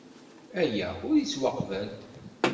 Aya ur yettwaqbal.